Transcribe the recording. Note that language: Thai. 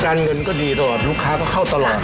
เงินก็ดีตลอดลูกค้าก็เข้าตลอด